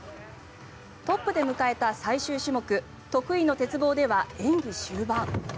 トップで迎えた最終種目得意の鉄棒では演技終盤。